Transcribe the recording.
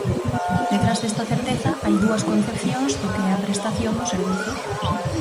Detrás desta certeza hai dúas concepcións do que é a prestación dos servizos.